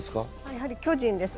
やはり巨人です。